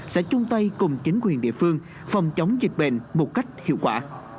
sẽ chung tay cùng chính quyền địa phương phòng chống dịch bệnh một cách hiệu quả